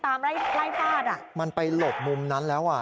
ไล่ไล่ฟาดอ่ะมันไปหลบมุมนั้นแล้วอ่ะ